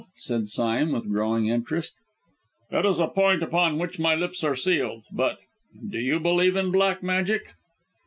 said Sime, with growing interest. "It is a point upon which my lips are sealed, but do you believe in black magic?"